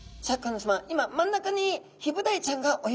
今真ん中にヒブダイちゃんが泳いでおります。